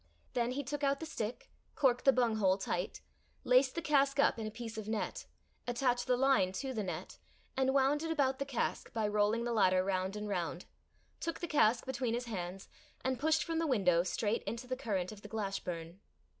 Then he took out the stick, corked the bunghole tight, laced the cask up in a piece of net, attached the line to the net, and wound it about the cask by rolling the latter round and round, took the cask between his hands, and pushed from the window straight into the current of the Glashburn.